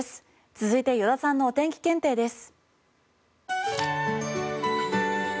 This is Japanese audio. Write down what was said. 続いて依田さんのお天気検定です。